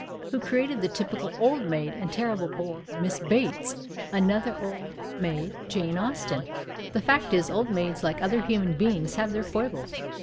Who created the typical " old maid " and terrible l)ore. Miss Bates ? Another " old maid," Jane Austen. The fact is, old maids like other human beings have their foibles.